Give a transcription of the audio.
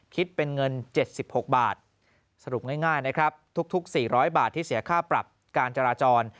คิดเป็นเงิน๗๖บาทสรุปง่ายนะครับทุก๔๐๐บาทที่เสียค่าปรับการจราจร